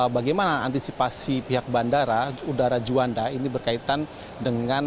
bagaimana antisipasi pihak bandara udara juanda ini berkaitan dengan